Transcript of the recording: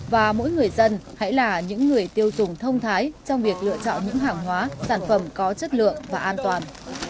và mỗi người dân hãy là những người tiêu dùng thông thái trong việc lựa chọn những hàng hóa sản phẩm có chất lượng và an toàn